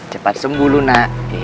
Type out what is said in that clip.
cepat sembuh luna